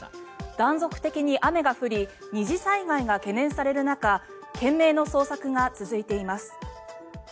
断続的に雨が降り二次災害が懸念される中懸命の捜索が続いています。